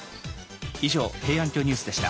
以上「平安京ニュース」でした。